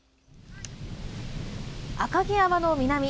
赤城山の南。